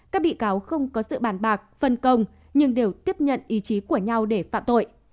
các bị cáo không có sự bàn bạc phân công nhưng đều tiếp nhận ý chí của nhau để phạm tội